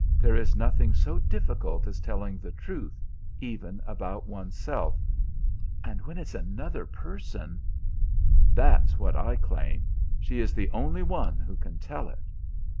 "There is nothing so difficult as telling the truth, even about one's self, and when it's another person" "That's what I claim; she is the only one who can tell it."